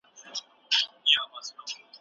ایا ته په خپل کلي کې د برېښنا اسانتیا لرې؟